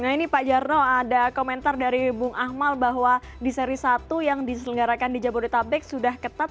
nah ini pak jarno ada komentar dari bung akmal bahwa di seri satu yang diselenggarakan di jabodetabek sudah ketat